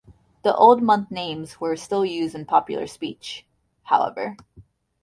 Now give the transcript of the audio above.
The old month names were still used in popular speech, however.